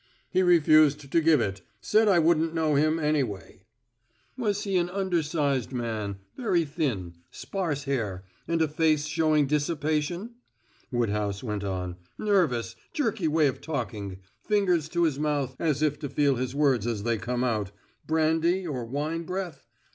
"He refused to give it said I wouldn't know him, anyway." "Was he an undersized man, very thin, sparse hair, and a face showing dissipation?" Woodhouse went on. "Nervous, jerky way of talking fingers to his mouth, as if to feel his words as they come out brandy or wine breath?